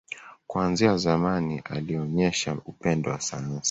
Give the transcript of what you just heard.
Kuanzia zamani, alionyesha upendo wa sayansi.